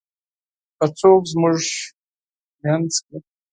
که څوک زمونږ مينځ کې :